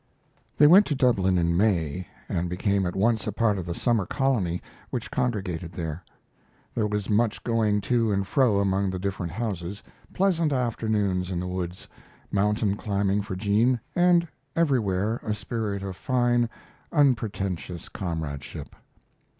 They went to Dublin in May, and became at once a part of the summer colony which congregated there. There was much going to and fro among the different houses, pleasant afternoons in the woods, mountain climbing for Jean, and everywhere a spirit of fine, unpretentious comradeship.